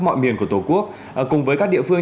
mọi miền của tổ quốc cùng với các địa phương